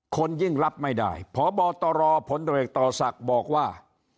คนยิ่งรับไม่ได้พบตรผลตรวจต่อศักดิ์บอกว่า